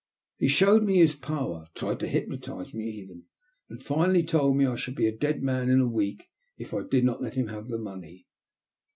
He showed me his power, tried to hypnotize me even, and finally told me I should be a dead man in a week if I did not let him have the money.